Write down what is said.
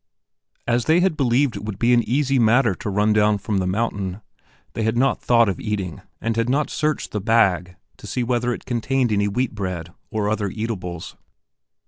As they had believed it would be an easy matter to run down from the mountain they had not thought of eating and had not searched the bag, to see whether it contained any wheat bread or other eatables.